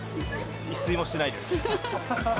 一睡もしてないです。